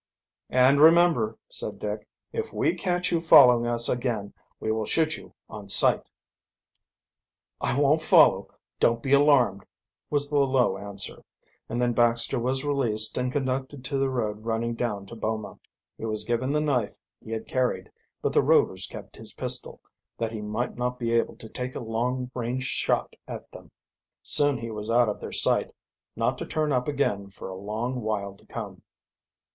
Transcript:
"And remember," said Dick, "if we catch you following us again we will shoot you on sight." "I won't follow don't be alarmed," was the low answer, and then Baxter was released and conducted to the road running down to Boma. He was given the knife he had carried, but the Rovers kept his pistol, that he might not be able to take a long range shot at them. Soon he was out of their sight, not to turn up again for a long while to come.